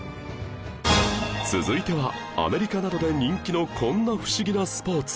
続いてはアメリカなどで人気のこんな不思議なスポーツ